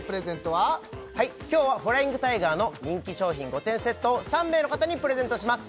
はい今日はフライングタイガーの人気商品５点セットを３名の方にプレゼントします